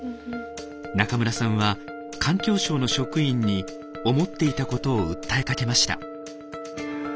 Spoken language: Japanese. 中村さんは環境省の職員に思っていたことを訴えかけました。